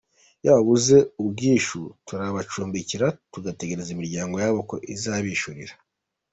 Iyo babuze ubwishyu turabacumbikira tugategereza imiryango yabo ko izabishyurira.